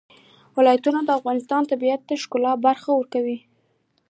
ولایتونه د افغانستان د طبیعت د ښکلا برخه ده.